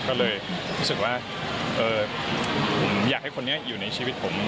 ก็เลยรู้สึกว่าผมอยากให้คนนี้อยู่ในชีวิตผม